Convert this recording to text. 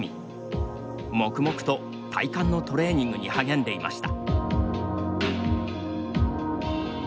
黙々と体幹のトレーニングに励んでいました。